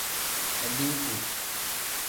Adiiku.